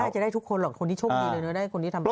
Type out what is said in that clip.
ไม่ได้จะได้ทุกคนหรอกคนที่โชคดีเลยคนที่ทำเป็น